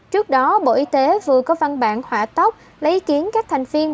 trước đó bộ y tế vừa có văn bản hỏa tốc lấy ý kiến các thành viên